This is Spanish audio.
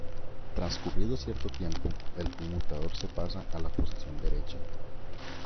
Transcurrido cierto tiempo el conmutador se pasa a la posición derecha.